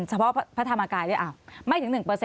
แถมอวัชธรรมกายไม่ถึง๑